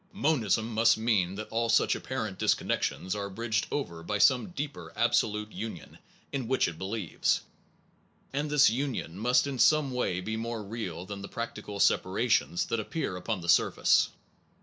Monism must mean that all such apparent disconnections are bridged over by some deeper absolute union in which it believes, and this union must in some way be more real than the practical separations that appear upon the surface.